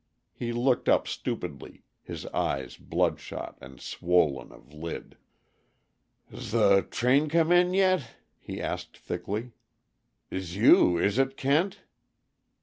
He looked up stupidly, his eyes bloodshot and swollen of lid. "'S the train come in yet?" he asked thickly. "'S you, is it, Kent?"